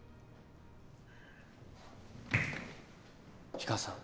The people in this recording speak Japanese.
氷川さん。